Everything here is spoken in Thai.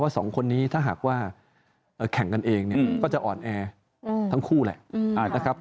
ว่าสองคนนี้ถ้าหากว่าแข่งกันเองก็จะอ่อนแอทั้งคู่แหละ